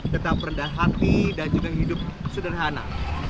tetap rendah hati dan juga hidup sederhana